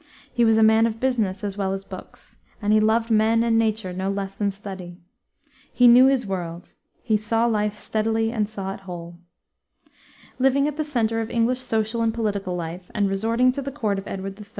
He was a man of business as well as books, and he loved men and nature no less than study. He knew his world; he "saw life steadily and saw it whole." Living at the center of English social and political life, and resorting to the court of Edward III.